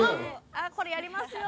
あっこれやりますよね。